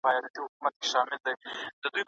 آیا موږ خپلو ماشومانو ته ټولنیز آداب ور زده کوو؟